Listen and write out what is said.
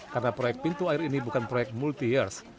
karena proyek pintu air ini bukan proyek multi years